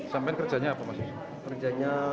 sampai kerjanya apa maksudnya